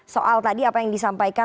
soal tadi apa yang disampaikan